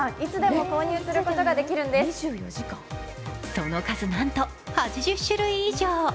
その数、なんと８０種類以上。